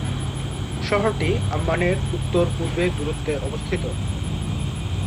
শহরটি আম্মানের উত্তর-পূর্বে দূরত্বে অবস্থিত।